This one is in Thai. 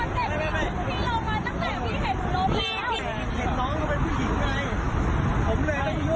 พี่เรามาตั้งแต่พี่แนะนำเรามาอยู่